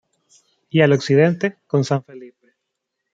Y al occidente, con San Felipe.